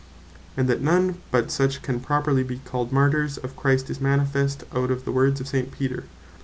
And that none but such, can properly be called Martyrs of Christ, is manifest out of the words of St. Peter, Act.